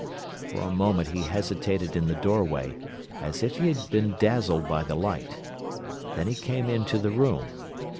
For a moment he hesitated in the doorway, as if he had been dazzled by the light. Then he came into the room.